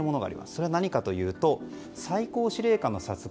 それは何かというと最高司令官の殺害